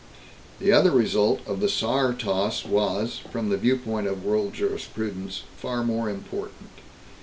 The other result of the Saar toss was, from the viewpoint of world jurisprudence, far more important.